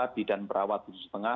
bidan perawat rp sepuluh lima juta